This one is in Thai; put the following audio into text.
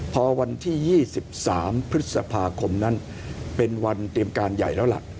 พอวันที่๒๓พฤษภาคมนั้นเป็นวันเตรียมการใหญ่แล้วล่ะ